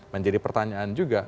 menjadi pertanyaan juga